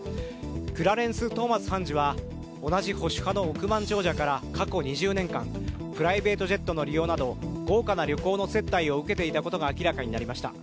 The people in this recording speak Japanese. クラレンス・トーマス判事は同じ保守派の億万長者から過去２０年間プライベートジェットの利用など豪華な旅行の接待を受けていたことが明らかになりました。